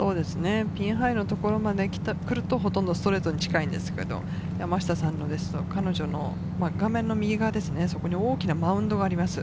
ピンハイのところまで来ると、ほとんどストレートに近いんですけれど、画面の右側ですね、そこに大きなマウンドがあります。